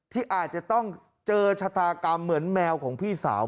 ที่อาจจะต้องเจอชะตากรรมเหมือนแมวของพี่สาว